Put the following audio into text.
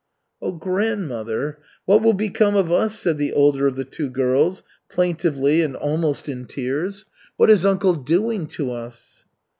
"Oh, grandmother, what will become of us?" said the older of the two girls, plaintively and almost in tears. "What is uncle doing to us?"